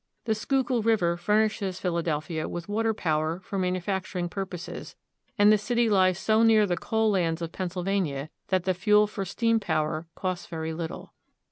The Schuylkill River furnishes Philadelphia with water power for manufacturing purposes, and the city lies so near the coal lands of Pennsylvania that Independence Hall. 52 PHILADELPHIA. the fuel for steam power costs very little.